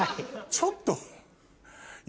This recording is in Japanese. ちょっと。